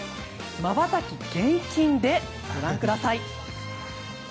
まばたき厳禁でご覧ください。